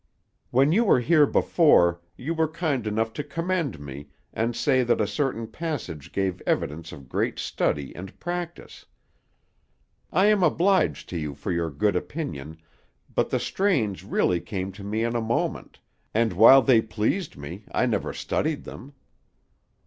"When you were here before, you were kind enough to commend me, and say that a certain passage gave evidence of great study and practice. I am obliged to you for your good opinion, but the strains really came to me in a moment, and while they pleased me, I never studied them."